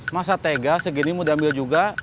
masa tega segini mau diambil juga